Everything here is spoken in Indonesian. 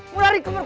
mulai lari kemana